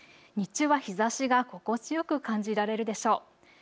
日中は日ざしが心地よく感じられるでしょう。